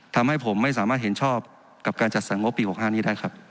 ทำให้ผมไม่สามารถเห็นชอบกับการจัดสรรงบปี๖๕นี้ได้ครับ